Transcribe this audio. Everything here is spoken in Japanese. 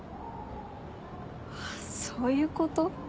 あっそういうこと。